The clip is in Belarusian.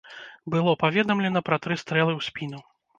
Было паведамлена пра тры стрэлы ў спіну.